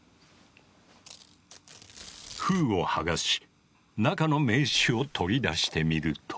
封を剥がし中の名刺を取り出してみると。